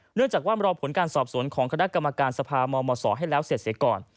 เนื่องจากว่ารอผลการสอบสวนของคณะกรรมการสภามมศให้แล้วเสร็จเสียก่อน